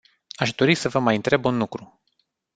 Aș dori să vă mai întreb un lucru.